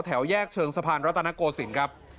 แถวแยกเชิงสะพานรัตนโกศิลป์ครับ